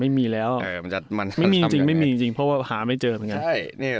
ไม่มีแล้วไม่มีจริงเพราะว่าหาไม่เจอเหมือนกัน